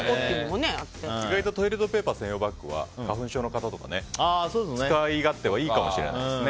意外とトイレットペーパー専用バッグは使い勝手はいいかもしれないですね。